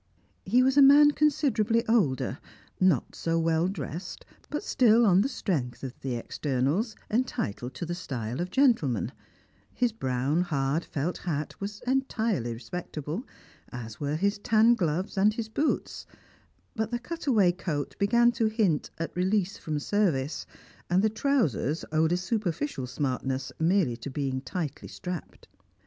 He was a man considerably older; not so well dressed, but still, on the strength of externals, entitled to the style of gentleman; his brown, hard felt hat was entirely respectable, as were his tan gloves and his boots, but the cut away coat began to hint at release from service, and the trousers owed a superficial smartness merely to being tightly strapped.